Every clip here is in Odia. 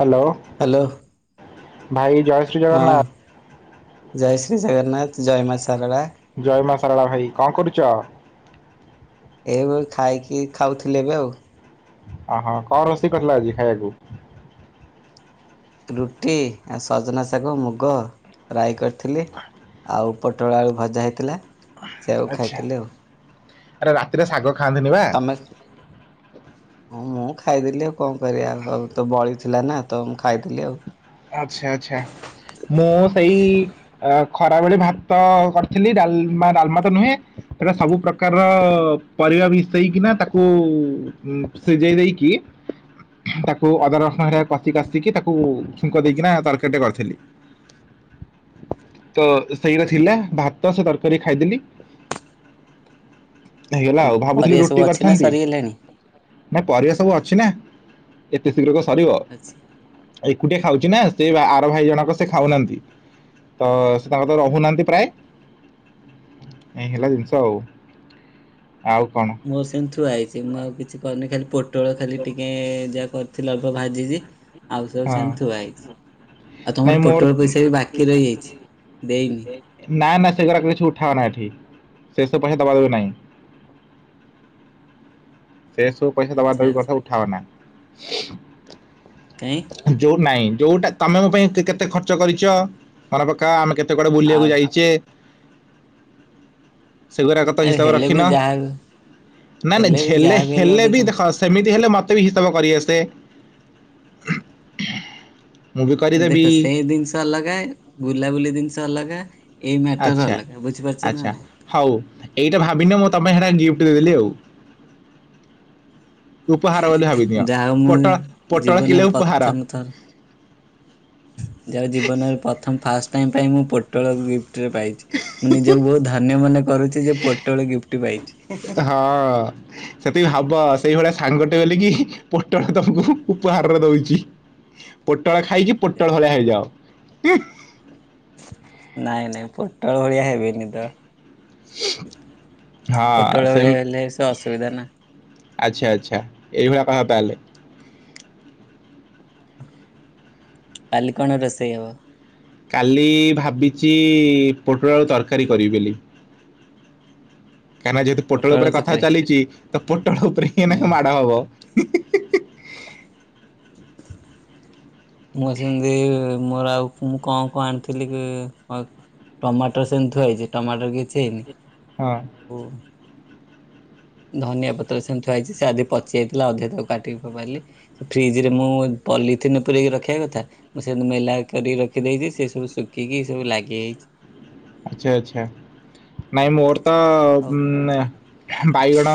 ହାଲୋ। ହାଲୋ। ଭାଇ ଜୟ ହଁ, ଜଗନ୍ନାଥ ଜୟ ଶ୍ରୀ ଜଗନ୍ନାଥ, ଜୟ ମା ଶାରଳା। ଜୟ ମା ସାରଳା ଭାଇ, କଁ କରୁଚ? ଏଇ, ଏବେ ଖାଇକି ଖାଉଥିଲି, ଏବେ ଆଉ। ଅହଁ, କଁ ରୋଷେଇ କରିଥିଲ ଆଜି ଖାଇଆକୁ? ରୁଟି ଆ ସଜନା ଶାଗ, ମୁଗ ରାଇ କରିଥିଲି। ଆଉ ପୋଟଳ ଆଳୁ ଭଜା ହେଇଥିଲା। ସେଆକୁ ଆଚ୍ଛା, ଖାଇଥିଲି ଆଉ ଆରେ ରାତିରେ ଶାଗ ଖାଆନ୍ତିନି ବା। ତମେ ହଁ, ମୁଁ ଖାଇଦେଲି ଆଉ। କଁ କରିବା? ଆଉ ତ ବଳିଥିଲା ନା, ତ ମୁଁ ଖାଇଦେଲି ଆଉ। ଆଚ୍ଛା ଆଚ୍ଛା ମୁଁ ସେଇ ଆଉ ଖରାବେଳେ ଭାତ-ଅ କରିଥିଲି ଡାଲ୍-ମା ଡାଲ୍ମା ତ ନୁହେଁ ସେଟା ସବୁ ପ୍ରକାରର-ଅ ପରିବା ମିଶେଇକି ନା ତାକୁ-ଉ ଉଁ ସିଝେଇ ଦେଇକି ତାକୁ ଅଦାରସଣରେ କଷି କାଷିକି ତାକୁ-ଉ ଛୁଙ୍କ ଦେଇକିନା ତରକାରୀଟେ କରିଥିଲି। ତ ସେଇଟା ଥିଲା ଭାତ ସେ ତରକାରୀକି ଖାଇଦେଲି। ହେଇଗଲା ଆଉ ଭାବୁଥିଲି ପରିବା ସବୁ ରୁଟି ଅଛି ନା କରିଥାନ୍ତି। ସରିଗଲାଣି? ନା ପରିବା ସବୁ ଅଛିନା ଏତେ ଶୀଘ୍ର କଣ ସରିବ। ଅଛି। ଏକୁଟିଆ ଖାଉଚି ନା ସେ ବା ଆର ଭାଇ ଜଣକ ସେ ଖାଉନାନ୍ତି। ତ-ଅ ସେ ତାଙ୍କ ତ ରହୁନାନ୍ତି ପ୍ରାୟେ। ଏଇ ହେଲା ଜିନିଷ ଆଉ, ଆଉ କଣ? ମୋର ସେମ୍ ଥୁଆଇଛି ମୁଁ ଆଉ କିଛି କରିନି ଖାଲି ପୋଟଳ ଖାଲି ଟିକେ-ଏ ଯା କର୍ [unintelligible] ଭାଜିଚି ଆଉ ସବୁ ହଁ ସେମତି ଥୁଆ ହେଇଚି। ଆଉ ନାଇଁ ତମର ମୋର ପୋଟଳ ପଇସା ବି ବାକି ରହିଯାଇଛି ଦେଇନି। ନା ନା ସେଗୁଡ଼ାକ କିଛି ଉଠାଅନା ଏଠି ସେଇ ସବୁ ପଇସା ଦେବା ଦେବି ନାହିଁ। ସେଇ ସବୁ ପଇସା ଦେବା ଆଚ୍ଛା ଦେବି ଆଚ୍ଛା କଥା ଉଠାଅନା। [inaudible] ଯୋଉ ନାଇଁ ଯୋଉଟା ତମେ ମୋ ପାଇଁ କେ-କେତେ ଖର୍ଚ୍ଚ କରିଚ। ମନେ ପକା ଆମେ କେତେ କୁଆଡେ ଆଉ ବୁଲିବାକୁ ଯାଇଚେ? ସେଗୁଡାକ ତ ଏ ହିସାବ ହେଲେ ବି ରଖିନ ଯାହା ନାଇ ନାଇଁ ହେଲେ ବି ଝେଲେ ଯାହା ହେଲେ ଗୋଟେ ବି ତ [unintelligible] ସେମିତି ହେଲେ ମତେ ବି ହିସାବ କରିଆସେ। [inaudible] କରିଦେବି ଦେଖ ସେଇ ଜିନିଷ ଅଲଗା ବୁଲାବୁଲି ଜିନିଷ ଅଲଗା। ଏଇ ମ୍ୟାଟର ଆଚ୍ଛା ଅଲଗା ବୁଝିପାରୁଛ ନା ଆଚ୍ଛା ନାଇଁ। ହଉ ଏଇଟା ଭାବିନ ମୁଁ ତମେ ସେଟା ଗିଫ୍ଟ ଦେଇଦେଲି ଆଉ। ଉପହାର ବୋଲି ଭାବିନିଅ ଯାହା ହଉ ମୁଁ ପୋଟଳ ପୋଟଳ କିଲୋ ଜୀବନରେ ଉପହାର ପ୍ରଥମ ଥର ଯାହା ହଉ ଜୀବନରେ ପ୍ରଥମ ଫାଷ୍ଟ ଟାଇ ପାଇଁ ମୁଁ ପୋଟଳକୁ ଗିଫ୍ଟରେ ପାଇଛି। ମୁଁ ନିଜକୁ ବହୁତ ଧନ୍ୟ ମନେ କରୁଛି ଯେ ପୋଟଳ ଗିଫ୍ଟ ପାଇଛି। ହଁ। ସେତିକି ହେବ ସେଇଭଳିଆ ସାଙ୍ଗଟେ ବଲିକି ପୋଟଳ ତମକୁ ଉପହାରରେ ଦଉଛି। ପୋଟଳ ଖାଇକି ପୋଟଳ ଭଳିଆ ହେଇଯାଉ। ନାଇଁ ନାଇଁ ପୋଟଳ ଭଳିଆ ହେବେନି ତ। ହଁ ପୋଟଳ ଭଳିଆ ସେମ ହେଲେ ସେ ଅସୁବିଧା ନା। ଆଚ୍ଛା ଆଚ୍ଛା ଏଇଭଳି କହତାହେଲେ। କାଲି କଣ ରୋଷେଇ ହେବ? କାଲି ଭାବିଛି ପୋଟଳ ଆଳୁ ତରକାରୀ କରିବି ବୋଲି। କାହିଁକିନା ଯେହେତୁ ପୋଟଳ ଉପରେ କଥା ଚାଲିଛି ତ ପୋଟଳ ଉପରେ ହିଁ ନା ହୁଁ। ମାଡ଼ ହବ। ମୁଁ ସେମିତି ମୋର ଆଉ ମୁଁ କଣ କଣ ଆଣିଥିଲି କି କ ଟମାଟ ସେମିତି ଥୁଆ ହେଇଛି ଟମାଟର କିଛି ହେଇନି। ହଁ ଧନିଆ ପତ୍ର ସେମିତିଆ ଥୁଆହେଇଛି ସେ ଆଜି ପଚିଯାଇଥିଲା ଅଧା ତାକୁ କାଟିକି ପକାଇଲି। ଫ୍ରିଜ ରେ ମୁଁ ପଲିଥିିନ ପୂରେଇକି ରଖିବା କଥା ମୁଁ ସେ ମେଲା କରିକି ରଖିଦେଇଛି ସେ ସବୁ ଶୁଖିକି ସବୁ ଲାଗିଯାଇଛି। ଆଚ୍ଛା ଆଚ୍ଛା ନାଇ ମୋର ତ ଆଉ ବାଇଗଣ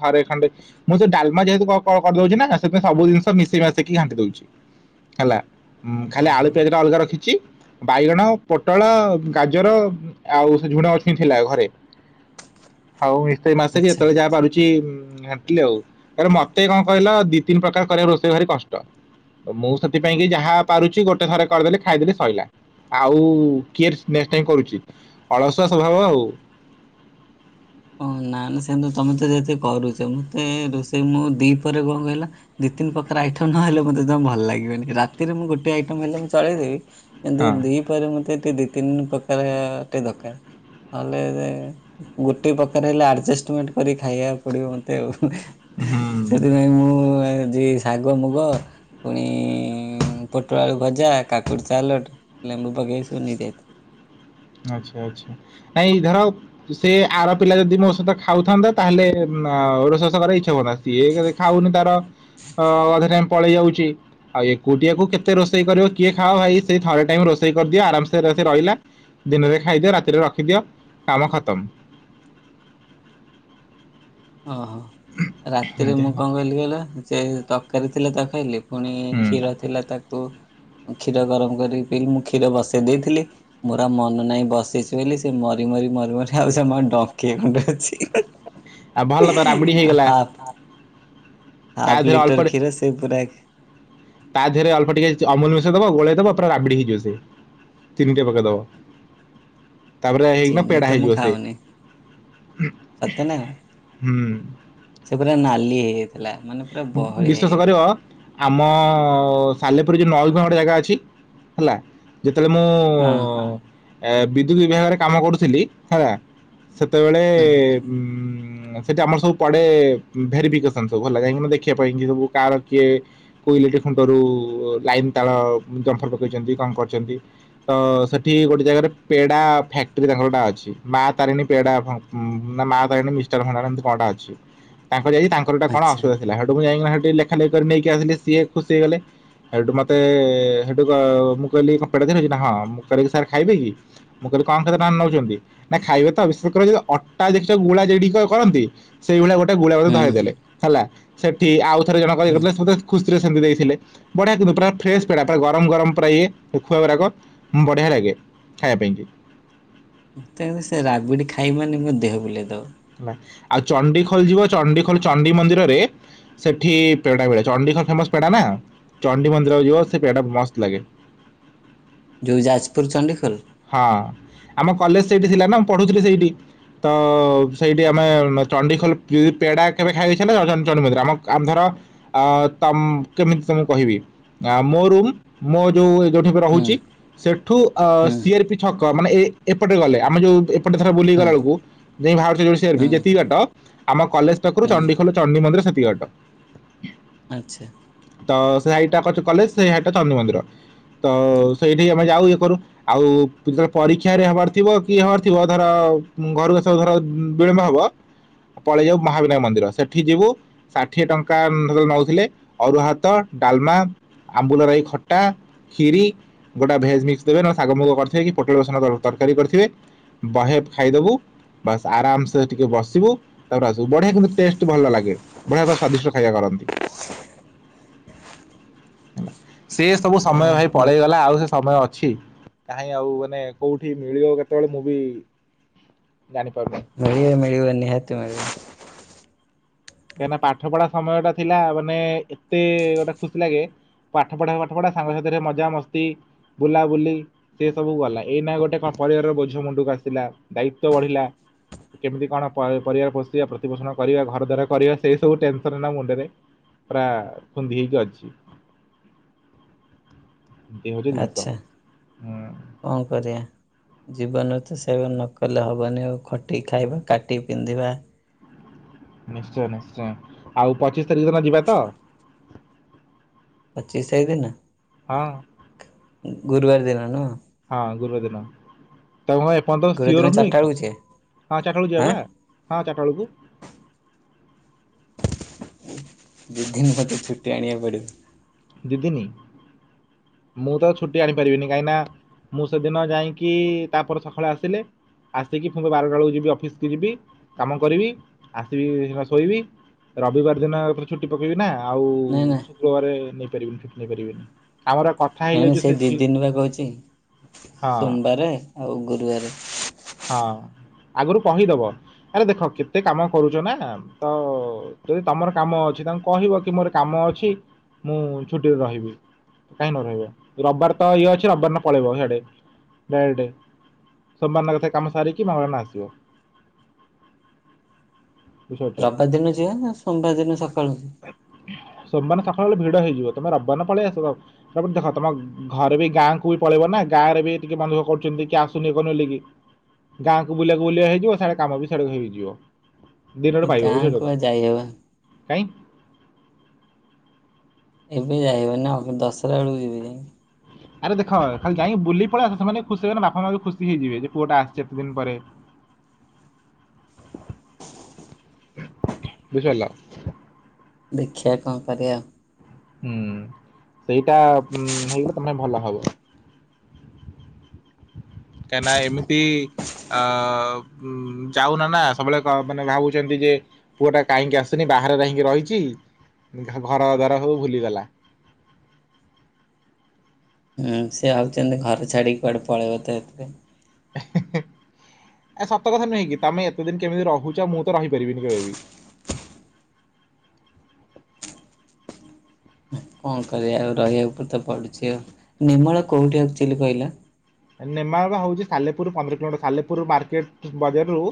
ଥରେ ଖାେ ମୁଁ ସେ ଡାଲମା ଯେହେତୁ କରିଦଉଛି ନା ସେଥିପାଇଁ ସବୁ ଜିନଷ ମିଶେଇ ମାସେଇକି ଘାଣ୍ଟିଦଉଛି। ହେଲା ଖାଲି ଆଳୁ ଓହୋ ପିଆଜ ଟା ଅଲଗା ରଖିଛି ବାଇଗଣ ପୋଟଳ ଗାଜର ଆଉ ସେ ଝୁଣା ଅଛନ୍ତି ଥିଲା ଘରେ। ହଉ ମୁ ନିଶ ମାସକ ଆଚ୍ଛା। ଯେତେବେଳେ ଯାହା ବାରୁଛି ଆଉ ମତେ କଣ କହିଲ ଦି ତିନି ପ୍ରକାର କରିବାକୁ ରୋଷେଇ ଭାରି କଷ୍ଟ। ମୁଁ ସେଥିପାଇଁ କି ଯାହା ପାରୁଛି ଗୋଟେ ଥରେ କରିଦେଲି ଖାଇଦେଲି ଶୋଇଲା ଆଉ କିଏ ନେକ୍ସଟ ଟାଇମ କରୁଛି ଅଳସୁଆ ସ୍ୱଭାବ ଆଉ। ଓ ନା ନା ସେମିତି ତମେ ତ ଯେତେ କରୁଛ ମତେ ରୋଷେଇ ମୁଁ ଦି ପରେ କଣ କହିଲ। ଦି ତିନି ପ୍ରକାର ଆଇଟମ୍ ନହେଲେ ମୋତେ ଭଲ ଲାଗିବନି ରାତିରେ ମୁଁ ଗୋଟେ ଆଇଟମ ହେଲେ ମୁଁ ଚଳେଇଦେବି। ଏନ୍ତ ହଁ ଦ୍ୱୀପ ମତେ ଦି ତିନି ପ୍ରକାରେ ଦରକାର ନହଲେ ଗୋ ରୁଟି ପକ ହେଲେ ଆଡ଼ଜଷ୍ଟମେଣ୍ଟ କରି ଖାଇବା ପିବ ମତେ ଆଉ ହୁଁ ସେଥିପାଇଁ ମୁଁ ଶାଗ ମୁଗ ପୁଣି ପୋଟଳ ଆଳୁ ଭଜା କାକୁଡ଼ି ସାଲଟ ଲେମ୍ବୁ ପକେଇ ସବୁ ନେଇଯାତୁ ଆଚ୍ଛା ଆଚ୍ଛା ନାଇଁ ଧର ସେ ଆର ପିଲା ଯଦି ମୋ ସହିତ ଖାଉଥାନ୍ତା ତାହେଲେ ଔଶସ କର ଇଚ୍ଛା ହଉନ୍ତା ସିଏ କେ ଖାଉନି ତାର ଅ ଅଧେ ଟାଇମ ପଳେଇ ଯାଉଛି। ଆଉ ଏକୁଟିଆକୁ କେତେ ରୋଷେଇ କରିବ କିଏ ଖାଅ ଭାଇ ସେଇ ଥରେ ଟାଇ ରୋଷେଇ କରିଦିଅ ଆରାମ ସେ ରହିଲା। ଦିନରେ ଖାଇଦିଅ ରାତିରେ ରଖିଦିଅ କାମ ଖତମ। ଓହୋ ରାତିରେ ଏମିତି ମୁଁ ହେଲା କଣ କହିଲି କହିଲ ସେ ତରକାରୀ ଥିଲା ତ ଖାଇଲିି। ପୁଣି ହୁଁ କ୍ଷୀର ଥିଲା ତାକୁ କ୍ଷୀର ଗରମ କରିକି ପିଇଲି ମୁଁ କ୍ଷୀର ବସେଇ ଦେଇଥିଲି। ମୋର ଆଉ ମନ ନାହିଁ ବସଛି ବୋଲି ସେ ମରି ମରି ମରି ମରି ଆଉ ସେର ଡଙ୍କୀଏ ଖଣ୍ଡେ ଅଛି। ଆଉ ଭଲ ତ ରାବିଡି ହେଇଗଲା। ତା ହାଫ ଦେହରେ ଅଳ୍ପ ଲିଟର ଟି- କ୍ଷୀର ସେ ପୁରା ତା ଧେଅରେ ଅଳ୍ପ ଟିକେ ଚ ଅମୁଲ ମିଶେଇ ଦବ ଗୋଳେଇ ଦବ ପୁରା ରାବିଡି ହେଇଯିବ ସେ। ଚିନି ଟିକେ ପକେଇଦବ। ତାପରେ ହେଇକିନା ଚିନି ପେଡା ତ ମୁଁ ହେଇଯିବ ସେ ଖାଉନି ସତ ନା ହୁଁ। ସେ ପୁରା ନାଲି ହେଇଯାଇଥେଲା ମାନେ ପୁରା ବହଳିଆ ବିଶ୍ୱାସ ହେଇଯାଇ କରିବ ଆମ ସାଲେପୁରରେ ଯୋଉ ନଇଗୁଆଁ ଗୋଟେ ଜାଗା ଅଛି ହେଲା। ଯେତେବେଳେ ମୁଁ ହଁ ଏ ବିଦୁତୁ ବିଭାଗରେ କାମ କରୁଥିଲି ହେଲା। ସେତେବେଳେ ହୁଁ ଉଁ ସେଟି ଆମର ସବୁ ପଡେ ଉଁ ଭେରିପିକେସନ ସବୁ। ଭଲ ଯାଇଁକିନା ଦେଖିବା ପାଇଁକି ସବୁ କାଆର କିଏ କୋଉ ଇଲେକ୍ଟ୍ରି ଖୁଣ୍ଟରୁ ଲାଇନ୍ ତାର ଜମ୍ଫର୍ ପକେଇଚନ୍ତି କଣ କରିଚନ୍ତି। ତ ସେଠି ଗୋଟେ ଜାଗାରେ ପେଡା ଫ୍ୟାକ୍ଟ୍ରି ତାଙ୍କର ଗୋଟା ଅଛି ମା ତାରିଣୀ ପେଡା ଫା ଉଁ ନା ମା ତାରିଣୀ ମିଷ୍ଟାନ ଭଣ୍ଡାର ଏମିତି କଁ ଗୋଟା ଅଛି ତାଙ୍କ ଯାଇକି ତାଙ୍କର ଗୋଟା କଣ ଆଚ୍ଛା ଅସୁବିଧା ଥିଲା ହେଠୁ ମୁଁ ଯାଇଁକିନା ହେଠି ଲେଖାଲେଖି କରି ନେଇକି ଆସିଲି ସିଏ ଖୁସି ହେଇଗଲେ। ହେଇଠୁ ମତେ ହେଠୁ କଁ ମୁଁ କହିଲି କଁ ପେଡା ଖାଇବେ କି ନା ହଁ ମୁଁ କଇଲି ସାର୍ ଖାଇବେ କି? ମୁଁ କହିଲି କଁ କେତେ ଟଙ୍କାର ନଉଚନ୍ତି? ନା ଖାଇବେ ତ ବିଶେଷ କରି ଅଟା ଦେଖିଚ ଗୁଳା ଯେଡିକ କରନ୍ତି। ସେଇ ଭଳିଆ ଗୋଟେ ଗୁଳା ମତେ ହୁଁ ଧଏଇଦେଲେ ହେଲା ସେଠି ଆଉ ଥରେ ଜଣଙ୍କର ଇଏ ହୁଁ କରୁଥିଲା ସିଏ ମତେ ଖୁସ୍। ତିରେ ସେମତି ଦେଇଥିଲେ ବଢିଆ କିନ୍ତୁ ପୁରା ଫ୍ରେସ୍ ପେଡା ତାକୁ ଗରମ ଗରମ ପୁରା ଇଏ ଖୁଆ ଗୁରାକ। ଉଁ ବଢିଆ ଲାଗେ ଖାଇବା ପାଇଁକି। ମତେ କିନ୍ତୁ ସେ ରାବିଡି ଖାଇବି ମାନେ ମୋ ଦେହ ବୁଲେଇ ଦବ। ହେଲା ଆଉ ଚଣ୍ଡିଖୋଲ ଯିବ ଚଣ୍ଡିଖୋଲ ଚଣ୍ଡୀ ମନ୍ଦିରରେ ସେଠି ପେଡା ମିଳେ ଚଣ୍ଡିଖୋଲ ଫେମସ୍ ପେଡା ନା ଚଣ୍ଡି ମନ୍ଦିର ଯିବ ସେ ପେଡା ମସ୍ତ ଲାଗେ। ଯୋଉ ଯାଜପୁର ଚଣ୍ଡିଖୋଲ? ହଁ ଆମ କଲେଜ ସେଇଠି ଥିଲା ନା ମୁଁ ପଢୁଥିଲି ସେଇଠି ତ ସେଇଠି ଆମେ ହୁଁ ଚଣ୍ଡିଖୋଲ ପି ପେଡା କେବେ ଖାଇଆକୁ ଇଚ୍ଛା ହେଲେ [unintelligible] ଚଣ୍ଡୀ ମନ୍ଦିର ଆମ କ୍ ଆମ୍ ଧର ଅ ତମ୍ କେମିତି ତମୁକୁ କହିବି ଆ ମୋ ରୁମ୍ ମୋ ଯୋଉ ଏଇ ଯୋଉଠି ମୁଁ ରହୁଚି ହୁଁ ସେଠୁ ଅ ସି ଆର୍ ପି ଛ କ ମାନେ ଏ ଏପଟେ ଗଲେ ଆମେ ଯୋଉ ଏପଟେ ଧର ବୁଲିକି ହୁଁ ହୁଁ ଗଲାଳୁକୁ ଯାଇଁ ଭାରୁଚେ ଯୋଉ ସି ଆର୍ ପି ଯେତିକି ବାଟ ଆମ କଲେଜ ପାଖୁରୁ ହୁଁ ଚଣ୍ଡିଖୋଲ ଚଣ୍ଡୀ ମନ୍ଦିର ସେତିକି ବାଟ। ଆଚ୍ଛା। ତ ସେ ହାଇଟାକଚ୍ କଲେଜ ସେ ହାଇଟା ଚଣ୍ଡୀ ମନ୍ଦିର ତ ସେଇଠି ଆମେ ଯାଉ ଇଏ କରୁ। ଆଉ ପିଲର୍ ପରୀକ୍ଷା ହେରିକା ହବାର ଥିବ କି ହବାର ଥିବ ଧର ଉଁ ଘରକୁ ଆସିଆକୁ ଧର ଉଁ ବିଳମ୍ବ ହବ ପଳେଇ ଯାଉ ମହାବିନାୟକ ମନ୍ଦିର ସେଠି ଯିବୁ ଷାଠିଏ ଟଙ୍କା ଉଁ ହେତେବେଳେ ନଉଥିଲେ ଅରୁଆ ହାତ ଡାଲମା ଆମ୍ବୁଲ ରାଇ ଖଟା ଖିରୀ ଗୋଟେ ଭେଜ ମିକ୍ସ ଦେବେ ନ ଶାଗ ମୁଗ କରିଥିବେ କି ପୋଟଳ ବେସନ ତରକାରୀ କରିଥିବେ ବହେ ପ୍ ଖାଇଦବୁ ବାସ୍ ଆରାମସେ ଟିକେ ବସିବୁ। ତାପଡେ ଆସୁ ବଢିଆ କିନ୍ତୁ ଟେଷ୍ଟ ଭଲ ଲାଗେ ବଢିଆ ତ ସ୍ଵାଦିଷ୍ଟ ଖାଇବା କରନ୍ତି। ହେଲା ସେ ସବୁ ଯାହା ସମୟ ହଉ ଭାଇ ମ ପଳେଇଗଲା ଆଉ ସେ ସମୟ ଅଛି। କାହିଁ ଆଉ ମାନେ କୋଉଠି ମିଳିବ କେତେବେଳେ ମୁଁ ବି ଜାଣିପାରୁନି? ମିଳିବ ମିଳିବ ନିହାତି ମିଳିବ। କାଇଁନା ପାଠ ପଢା ସମୟଟା ଥିଲା ମାନେ ଏତେ ଗୋଟେ ଖୁସି ଲାଗେ ପାଠ ପଢାକୁ ପାଠ ପଢା ସାଙ୍ଗସାଥିରେ ମଜାମସ୍ତି ବୁଲାବୁଲି ସିଏ ସବୁ ଗଲା ଏଇନା ଗୋଟେ କଁ ପରିବାରର ବୋଝ ମୁଣ୍ଡୁକୁ ଆସିଲା ଦାୟିତ୍ଵ ବଢିଲା। କେମିତି କଣ ପ ଏ ପରିବାର ପୋଷିବା ପ୍ରତିପୋଷଣ କରିବା ଘରଦ୍ୱାର କରିବା ସେଇ ସବୁ ଟେନସନ୍ ଏଇନା ମୁଣ୍ଡେରେ ପୁରା ଖୁନ୍ଦି ହେଇକି ଅଛି। ଏ ହଉଚି ଜିନିଷ ଆଚ୍ଛା ହୁଁ। କଣ କରିଆ। ଜୀବନରେ ତ ସେଇଗୁରା ନକଲେ ହବନି ଆଉ ଖଟିକି ଖାଇବା କାଟିକି ପିନ୍ଧିବା ନିଶ୍ଚୟ ନିଶ୍ଚୟ ଆଉ ପଚିଶ ତାରିକ୍ ଯୋଉ ଦିନ ଯିବା ତ ପଚିଶ ତାରି ଦିନ? ହଁ। ଗୁରୁବାର ଦିନ ନୁହଁ? ହଁ ଗୁରୁବାର ଦିନ ତାଙ୍କ କଣ ଏପର୍ଯ୍ୟନ୍ତ ଗୁରୁବାର ଦିନ ସିଓର ଚାରିଟା ନୁହେଁ କି ବେଳକୁ ଯିବା ହଁ ଚାେଳକୁ ଆଁ। ଯବା। ହଁ ଚାଟା ବେଳକୁ। ଦୁଇ ଦିନ ମୋତେ ଛୁଟି ଆଣିବାକୁ ପଡ଼ିବ। ଦି ଦିନି ମୁଁ ତ ଛୁଟି ଆଣିପାରିବିନି କାହିଁକି ନା ମୁଁ ସେଦିନ ଯାଇକି ତାପରେ ସକାଳେ ଆସିଲେ ଆସିକି ପୁଣି ବାରଟ ବେଳକୁ ଯିବି ଅଫିସକ ଯିବି କାମ କରିବି ଆସିବିନା ଶୋଇବି ରବିବାର ଦିନ ଛୁଟି ପକେଇବି ନା ଆଉ ନା ନା ଶୁକ୍ରବାର ନେଇପାରିବିନି ୁଟି ନେଇ ପାରିବିନି ଆମର ନାଇଁ ନାାଇଁ ହେଇଯାଇଛୁ ସେ ଦୁଇ ଝି ଦିନ ବା କହୁଛି ହଁ ସୋମବାର ଆଉ ଗୁରୁବାର ହଁ ଆଗରୁ କହିଦବ ଆରେ ଦେଖ କେତେ କାମ କରୁଛ ନା ତ ଯଦି ତମର କାମ ଅଛି ତାଙ୍କୁ କହିବ କି ମୋର କାମ ଅଛି ମୁଁ ଛୁଟିରେ ରହିବି। କାହିଁ ନ ରହିବ ରବିବାର ତ ଇଏ ଅଛି ରବିବାର ନା ପଳେଇବ ସେଆଡେ ବେ ସୋମବାର ଦିନ କାମ ସାରିକି ମଙ୍ଗଳ ବାର ଦିନ ଆସିବ। ବୁଝିପାରୁଛ ରବାର ଦିନ ଯିବା ନା ସୋମବାର ଦିନ ସକାଳୁ? ସୋମବାର ସକାଳୁ ଭିଡ ହେଇଯିବ ତମେ ରବିବାର ପଳେଇ ଆସିବ। ତାପଟ ଦେଖ ତମ ଘରେ ବି ଗାଁକୁ ବି ପଳେଇବ ନା ଗାଁରେ ବି ଟିକେ ମନ ନ୍ଧୁଖ କରୁଛନ୍ତି କି ଆସୁନି ଇଏ କରୁନି ବୋଲିକି। ଗାଁକୁ ବୁଲିବାକୁ ବୁଲିବା ହେଇଯିବ, ସିଆଡେ କାମ ବି ସେଠକ ହେଇଯିବ ଦିନରେ ପାଇବ ଗାଁକୁ ବୁଝିଲ ତ। ବା ଯାଇହବନି। କାଇଁ ଏବେ ଯାଇଁନି ନା ଦଶରା ବେଳକୁ ଯିବି ଯାଇ। ଆରେ ଦେଖ ଖାଲି ଯାଇକି ବୁଲି ପଳେଇ ଆସ ସେମାନେ ଖୁସି ହେଇ ନା ବାପା ମା ଖୁସିଇଯିବ ଯେ ପୁଅଟା ଆସିଛି ଏତେ ଦିନ୍ ପରେ। [unintelligible] ବୁଝି ହେଲା। ଦେଖିବା କଣ କରିବା। ହୁଁ ସେଇଟା ହେଇଗଲେ ତମେ ଭଲ ହବ। କାହିଁ ନା ଏମିତି ଅ ଉ ଯାଉନା ନା ସବୁବେଳେ ମାନେ ଭାବୁଛନ୍ତି ଯେ ପୁଅ ଟା କାହିଁକି ଆସୁନି ବାହାରେ କାହିଁକି ରହିଛି, ଘର ଦ୍ଵାର ସବୁ ଭୁଲିଗଲା। ହୁଁ ସେ ହଉଛନ୍ତି ଘର ଛାଡିକି କୁଆଡେ ପଳେଇବ ତ ଏ ସତ କଥା ନୁହେଁ କିି ତମେ ଏତେ ଦିନ କେମିତି ରହୁଛ ମୁଁ ତ ରହିପାରିବିନି କେବେ ବି। କଣ କରିବା ଆଉ ରହିବା ଉପରେ ତ ପଡୁଛି ଆଉ। ନିର୍ମଳ କୋଉଠି ଆକ୍ଚଲି କହିଲା? ନେମା ହେଉଛି ସାଲେପୁରରୁ ପନ୍ଦର କିଲୋମିଟର ସାଲେପୁର ମାର୍କେଟ୍ ବଜାରରୁ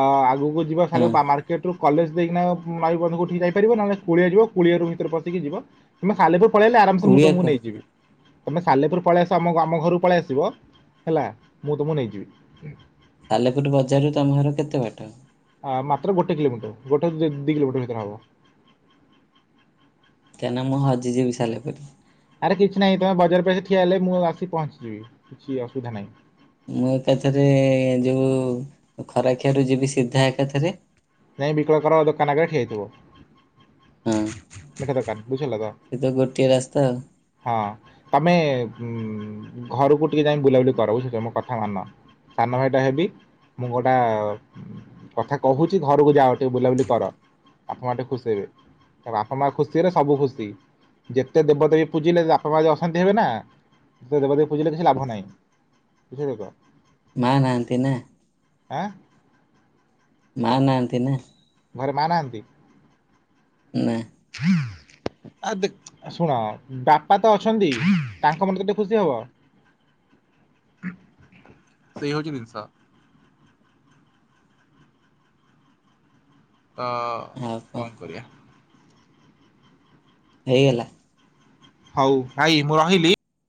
ଅ ଆଗକୁ ଯିବା ହଁ ଖା ମାର୍କେଟ ରୁ କଲେଜ ଦେଇକିନା ମାଇ ବନ୍ଧଙ୍କୁଠିକି ଯାଇପାରିବ ନହେଲେ କୁଳିଆ ଯିବ କୁଳିଆ ରରୁ ଭିତରେ ପଶିକି ଯିବ, ତମେ ସାଲେପୁର ପଳେଇଲେ ଆରାମସେ ମୁଁ ତୁମକୁ କୁଳିଆକୁ ନେଇଯିବି ତୁମେ ସାଲେପୁର ପଳେଇ ଆସ ଆମ ଆମ ଘରୁକୁ ପଳେଇ ଆସିବ ହେଲା ମୁଁ ତମକୁ ନେଇଯିବି। ସାଲେପୁର ବଜାରରୁ ତମ ଘର କେତେ ବାଟ? ଆ ମାତ୍ର ଗୋଟେ କିଲୋମିଟର, ଗୋଟେ ଦି କିଲୋମିଟର ଭିତରେ ହବ। କାଇଁନା ମୁଁ ହଜି ଯିବି ସାଲେପୁର ରେ। ଆରେ କିଛି ନାହିଁ ତମେ ବଜାର ପସ ଠିଆ ହେଲେ ମୁଁ ଆସି ପହଞ୍ଚିିବି। କିଛି ଅସୁବିଧା ନାହିଁ। ମୁଁ ଏକାଥରେ ଯୋଉ ଖରାଖିଆରୁ ଯିବି ସିଧା ଏକାଥରେ। ନାଇଁ ବିକଳ କର ଦୋକାନ ଆଗରେ ଠିଆ ହେଇଥିବ। ହୁଁ। ମିଠା ଦୋକାନ ବୁଝିଲ ତ। ସେ ତ ଗୋଟିଏ ରାସ୍ତା ଆଉ। ହଁ ତମେ ଉ ଘରକୁ ଟିକେ ଯାଇ ବୁଲାବୁଲି କର ବୁଝି ପାଇଲ, କଥା ମାନ। ସାନ ଭାଇଟା ହେବି ମୁଁ ଗୋଟା କଥା କହୁଛି ଘରକୁ ଯାଅ ଟିକେ ବୁଲାବୁଲି କର ବାପା ମା ଟିକେ ଖୁସି ହେବେ। ବାପା ମା ଖୁସି ହେଲେ ସବୁ ଖୁସି ଯେତେ ଦେବଦେବୀ ପୂଜିଲେ ବାପା ମା ଯେ ଅଶାନ୍ତି ହେବେ ନା ଦେବାଦେବୀ ପୂଜିଲ କିଛି ଲାଭ ନାହିଁ ବୁଝିଲେ ତ? ମା ନାହାନ୍ତି ନା? ଆଁ? ମା ନାହାନ୍ତି ନା। ଘରେ ମା ନାହାନ୍ତି? ନା। ଆ ଦେ ଶୁଣ ବାପା ତ ଅଛନ୍ତି ତାଙ୍କ ମନ ତ ଟିକେ ଖୁସି ହବ। ସେଇ ହଉଛି ଜିନିଷ। ତ କଣ କରିବା? ହେଇଗଲା। ହଉ ଭାଇ ମୁଁ ରହିଲି?